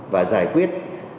và giải quyết